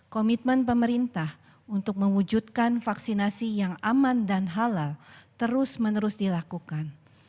komitmen pemerintah untuk mewujudkan vaksinasi yang aman dan halal terus menerus dilakukan